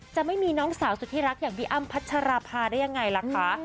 จะไม่มีน้องสาวสุดที่รักอย่างพี่อ้ำพัชราภาได้ยังไงล่ะคะ